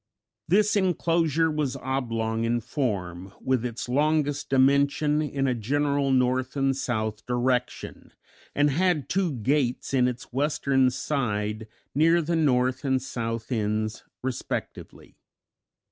This inclosure was oblong in form, with its longest dimension in a general north and south direction, and had two gates in its western side, near the north and south ends respectively.